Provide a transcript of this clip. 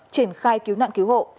triển khai cứu nạn cứu hộ